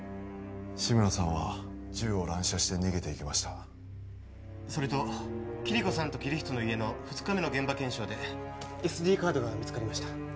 志村さんは銃を乱射して逃げていきましたそれとキリコさんとキリヒトの家の２日目の現場検証でＳＤカードが見つかりました